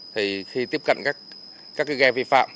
thì khi tiếp cận các ghe vi phạm